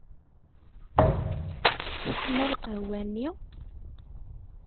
Teḥma lqahwa-nni?